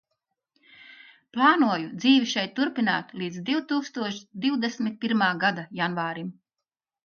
Plānoju dzīvi šeit turpināt līdz divtūkstoš divdesmit pirmā gada janvārim.